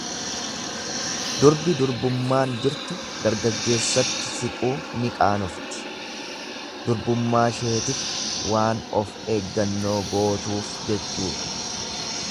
Durbi durbummaan jirtu dargaggeessatti siquu ni qaanofti, durbummaasheetif waan of eeggannoo gootuuf jechuudha.